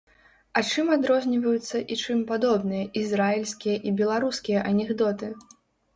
А чым адрозніваюцца і чым падобныя ізраільскія і беларускія анекдоты?